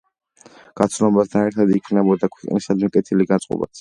გაცნობასთან ერთად, იქმნებოდა ქვეყნისადმი კეთილი განწყობაც.